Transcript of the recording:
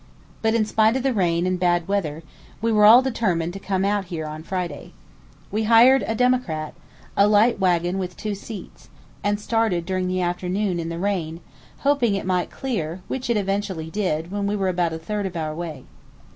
But in spite of the rain and bad weather we were determined to come out here on Friday. We hired a democrat, a light waggon with two seats, and started during the afternoon in the rain, hoping it might clear which it eventually did when we were about a third of our way.